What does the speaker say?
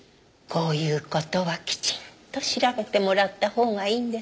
こういう事はきちんと調べてもらったほうがいいんですよ。